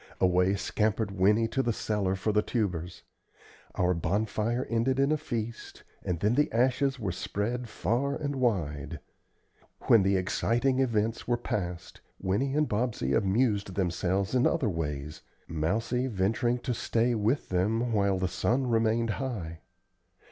Away scampered Winnie to the cellar for the tubers. Our bonfire ended in a feast, and then the ashes were spread far and wide. When the exciting events were past, Winnie and Bobsey amused themselves in other ways, Mousie venturing to stay with them while the sun remained high.